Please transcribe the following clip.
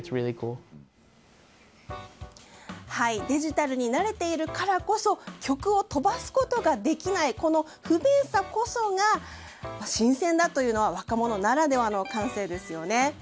デジタルに慣れているからこそ曲を飛ばすことができないこの不便さこそが新鮮だというのは若者ならではの感性ですよね。